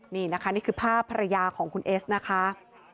นี่นะคะนี่คือภาพภรรยาของคุณเอสนะคะ